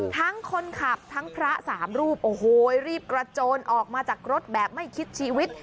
ทั้งคนขับทั้งพระสามรูปโอ้โหรีบกระโจนออกมาจากรถแบบไม่คิดชีวิต